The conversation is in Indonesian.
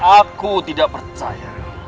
aku tidak percaya